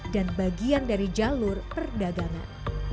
dan bagian dari jalur perdagangan